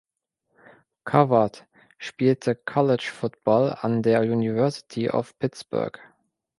Covert spielte College Football an der University of Pittsburgh.